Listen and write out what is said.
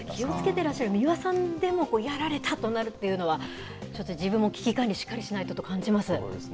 てらっしゃる三輪さんでもやられたとなるっていうのは、ちょっと自分も危機管理、しっかりしないとと感じます。